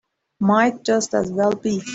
Might just as well be.